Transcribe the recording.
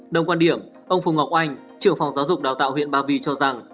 đồng quan điểm ông phùng ngọc anh trưởng phòng giáo dục đào tạo huyện ba vì cho rằng